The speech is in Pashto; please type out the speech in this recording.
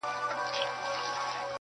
• ټول بکواسیات دي.